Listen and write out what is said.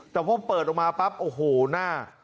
แต่พอเปิดออกมาปั๊บโอ้โหหน้า